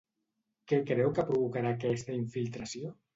Què creu que provocarà aquesta infiltració?